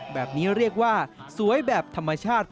แบบนี้เรียกว่าสวยแบบธรรมชาติ